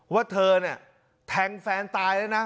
ว่าเธอเนี่ยแทงแฟนตายแล้วนะ